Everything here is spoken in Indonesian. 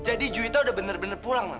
jadi juwita udah bener bener pulang lang